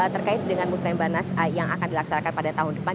terkait dengan musrembanas yang akan dilaksanakan pada tahun depan